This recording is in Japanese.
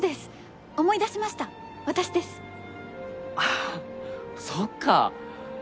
ああそっか！